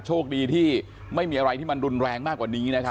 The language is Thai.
โชคดีที่ไม่มีอะไรที่มันรุนแรงมากกว่านี้